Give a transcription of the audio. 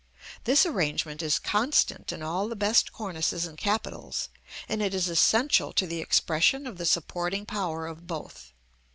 This arrangement is constant in all the best cornices and capitals; and it is essential to the expression of the supporting power of both.